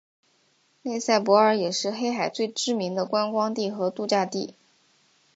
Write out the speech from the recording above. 内塞伯尔也是黑海最知名的观光地和度假地。